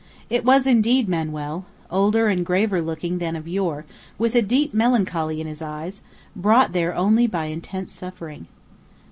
It was indeed Manuel, older and graver looking than of yore, with a deep melancholy in his eyes, brought there only by intense suffering.